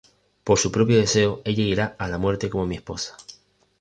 Por su propio deseo, ella irá a la muerte como mi esposa.